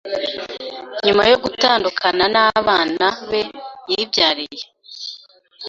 Nyuma yo gutandukana na abana be yibyariye